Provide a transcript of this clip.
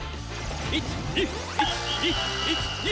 １２１２１２！